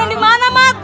kebakaran dimana mak